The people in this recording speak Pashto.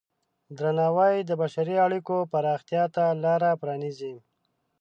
درناوی د بشري اړیکو پراختیا ته لاره پرانیزي.